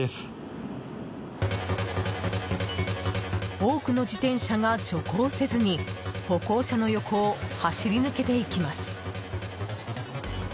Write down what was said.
多くの自転車が徐行せずに歩行者の横を走り抜けていきます。